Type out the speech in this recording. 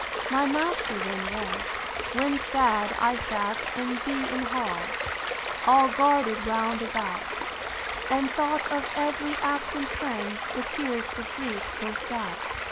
My master then read: I. When sad I sat in B——n hall, All guarded round about, And thought of ev'ry absent friend, The tears for grief burst out.